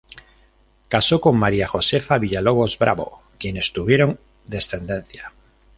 Casó con María Josefa Villalobos Bravo, quienes tuvieron descendencia.